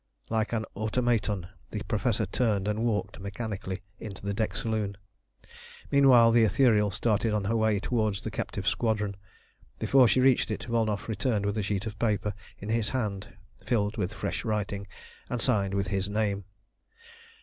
Like an automaton the Professor turned and walked mechanically into the deck saloon. Meanwhile the Ithuriel started on her way towards the captive squadron. Before she reached it Volnow returned with a sheet of paper in his hand filled with fresh writing, and signed with his name.